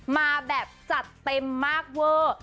มาแบบจัดเต็มมากเวอร์